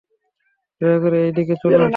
দয়াকরে এই দিকে চলুন।